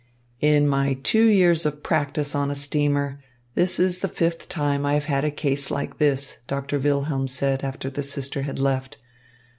"In my two years of practice on a steamer, this is the fifth time I have had a case like this," Doctor Wilhelm said after the sister had left.